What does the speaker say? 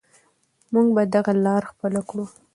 موږ به دغه لاره خپله کړو.